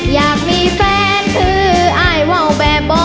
อยากมีแฟนคืออายว่าวแบบบ่